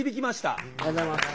ありがとうございます。